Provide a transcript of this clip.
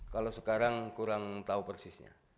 kalau sekarang kurang tahu persisnya